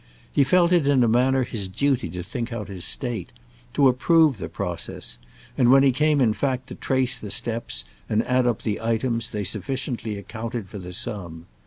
He felt it in a manner his duty to think out his state, to approve the process, and when he came in fact to trace the steps and add up the items they sufficiently accounted for the sum.